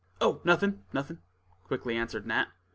"Oh, nothing, nothing," quickly answered Nat.